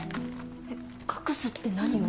えっ隠すって何を？